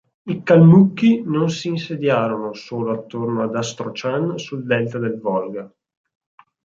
I calmucchi non si insediarono solo attorno ad Astrachan' sul delta del Volga.